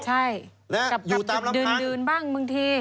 ใช่กลับดื่นบ้างบางที